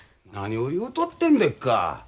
何を言うとってんでっか。